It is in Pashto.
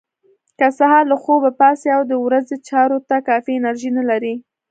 که سهار له خوبه پاڅئ او د ورځې چارو ته کافي انرژي نه لرئ.